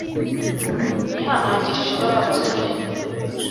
nihanangirije bariya basore